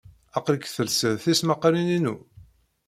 Aql-ik telsid tismaqqalin-inu?